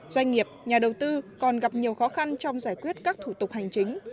doanh nghiệp nhà đầu tư còn gặp nhiều khó khăn trong giải quyết các thủ tục hành chính